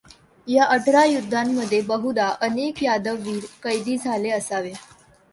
या अठरा युद्धांमध्ये, बहुधा, अनेक यादववीर कैदी झाले असावे.